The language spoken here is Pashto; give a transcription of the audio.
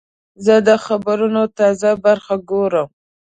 زه د خبرونو تازه برخه ګورم.